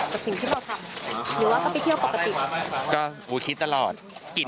กับสิ่งที่เราทำหรือว่าเขาไปเที่ยวปกติ